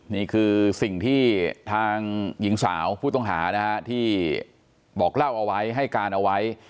นี่คือสิ่งที่ทางหญิงสาวผู้ต้องหานะฮะที่บอกเล่าเอาไว้ให้การเอาไว้